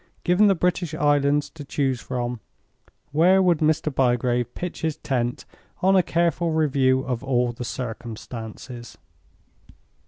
Given the British Islands to choose from, where would Mr. Bygrave pitch his tent, on a careful review of all the circumstances?